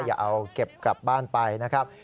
อย่าเอาเก็บกลับบ้านไปนะครับ